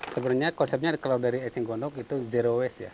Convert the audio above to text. sebenarnya konsepnya kalau dari eceng gondok itu zero waste ya